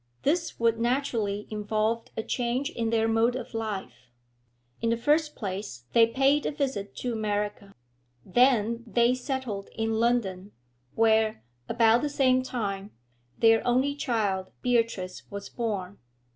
This would naturally involve a change in their mode of life. In the first place they paid a visit to America; then they settled in London, where, about the same time, their only child, Beatrice was born.